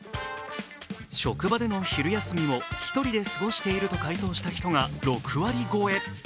職場での昼休みを１人で過ごしていると回答した人が６割超え。